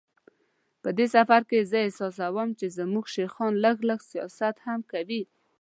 په دې سفر کې زه احساسوم چې زموږ شیخان لږ لږ سیاست هم کوي.